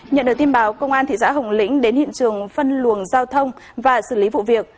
nhận được tin báo công an thị xã hồng lĩnh đến hiện trường phân luồng giao thông và xử lý vụ việc